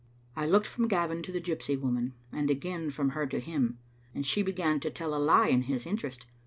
I looked from Gavin to the gypsy woman, and again from her to him, and she began to tell a lie in his interest.